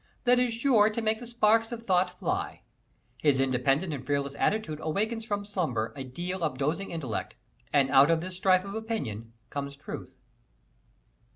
that is sure to make the sparks of thought fly. His independent and fearless attitude awakens from slumber a deal of dozing intellect, and out of this strife of opinion comes truth.